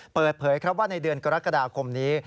เปิดเผยครับว่าในเดือนกรกฎาคมนี้